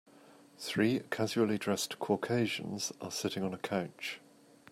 Three casually dressed Caucasians are sitting on a couch.